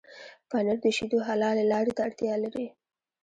پنېر د شيدو حلالې لارې ته اړتيا لري.